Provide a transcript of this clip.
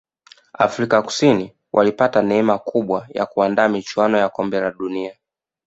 afika kusini walipata neeme kubwa ya kuandaa michuano ya kombe la dunia